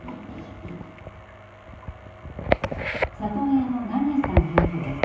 里親の永井さん夫婦です。